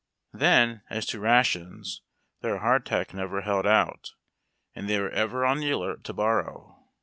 Then, as to rations, their hardtack never held out, and they were ever on the alert to borrow.